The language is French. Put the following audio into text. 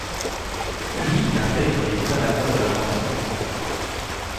Puis il intègre l'équipe amateur de la formation Reynolds.